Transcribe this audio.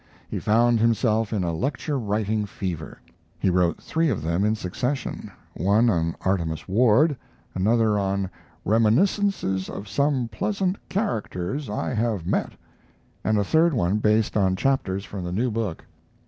He found himself in a lecture writing fever. He wrote three of them in succession: one on Artemus Ward, another on "Reminiscences of Some Pleasant Characters I Have Met," and a third one based on chapters from the new book.